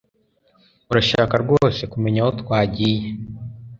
Urashaka rwose kumenya aho twagiye